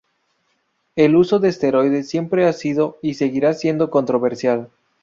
El uso de esteroides siempre ha sido y seguirá siendo controversial.